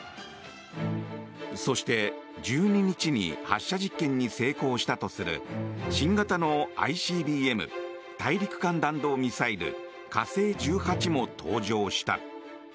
そして、１２日に発射実験に成功したとする新型のＩＣＢＭ・大陸間弾道ミサイル、火星１８も登場した。